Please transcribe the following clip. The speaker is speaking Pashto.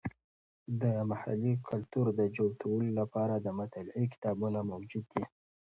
د محلي کلتور د جوتولو لپاره د مطالعې کتابونه موجود دي.